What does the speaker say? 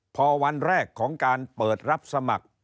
พอวันแรกของการเปิดรับสมัคร